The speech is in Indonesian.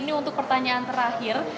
ini untuk pertanyaan terakhir